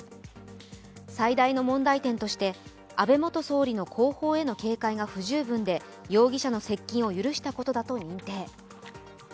最大の問題点として、安倍元総理の後方への警戒が不十分で容疑者の接近を許したことだと認定。